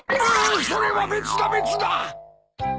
それは別だ別だ。